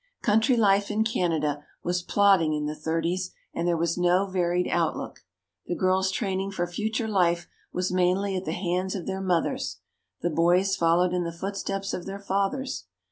Country life in Canada was plodding in the "Thirties" and there was no varied outlook. The girls' training for future life was mainly at the hands of their mothers; the boys followed in the footsteps of their fathers.